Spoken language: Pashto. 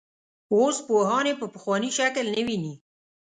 اوس پوهان یې په پخواني شکل نه ویني.